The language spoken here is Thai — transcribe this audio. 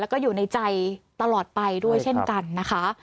แล้วก็อยู่ในใจตลอดไปด้วยเช่นกันนะคะ